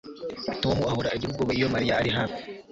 tom ahora agira ubwoba iyo mariya ari hafi